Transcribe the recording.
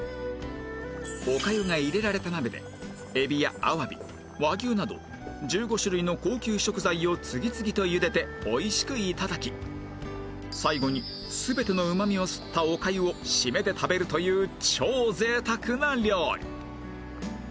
お粥が入れられた鍋で海老やアワビ和牛など１５種類の高級食材を次々とゆでて美味しく頂き最後に全てのうまみを吸ったお粥を締めで食べるという超贅沢な料理